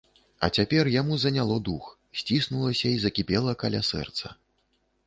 А цяпер яму заняло дух, сціснулася і закіпела каля сэрца.